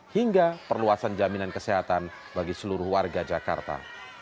hingga perluasan jaminan kesehatan bagi seluruh warga jakarta